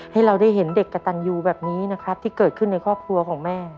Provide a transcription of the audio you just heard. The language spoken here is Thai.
ให้เราได้เห็นเด็กกระตันยูแบบนี้นะครับที่เกิดขึ้นในครอบครัวของแม่